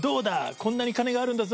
こんなに金があるんだぞ！